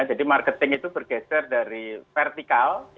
jadi marketing itu bergeser dari vertikal